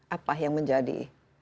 apa yang menjadi